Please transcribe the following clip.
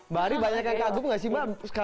mbak ari banyak yang kagum gak sih mbak